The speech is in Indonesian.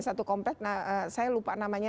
satu komplek saya lupa namanya